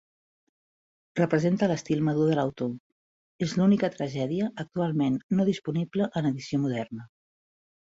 Representa l'estil madur de l'autor, és l'única tragèdia actualment no disponible en edició moderna.